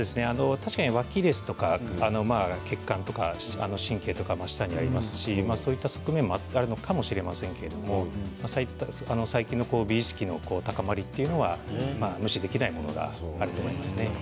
確かに脇とか血管とか神経とかが下にありますしそういう側面もあるのかもしれませんけれども最近の美意識の高まりというのは無視できないものがあると思いますね。